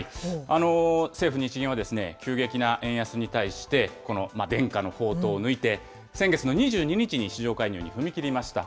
政府・日銀はですね、急激な円安に対して、伝家の宝刀を抜いて、先月の２２日に市場介入に踏み切りました。